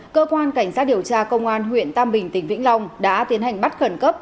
cơ quan cảnh sát điều tra công an huyện tam bình tỉnh vĩnh long đã tiến hành bắt khẩn cấp